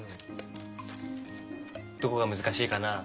どこがむずかしいかな？